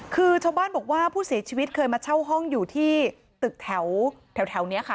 คือชาวบ้านบอกว่าผู้เสียชีวิตเคยมาเช่าห้องอยู่ที่ตึกแถวนี้ค่ะ